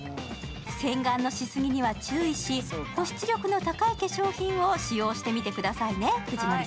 洗顔のしすぎには注意し、保湿力の高い化粧品を使ってみてくださいね。